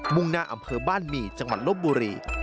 ่งหน้าอำเภอบ้านหมี่จังหวัดลบบุรี